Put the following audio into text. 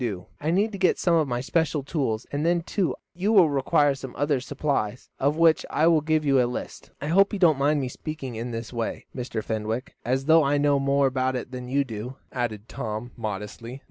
I need to get some of my special tools, and then, too, you will require some other supplies, of which I will give you a list. I hope you don't mind me speaking in this way, Mr. Fenwick, as though I knew more about it than you do," added Tom, modestly.